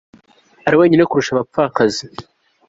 Ari wenyine kurusha abapfakazi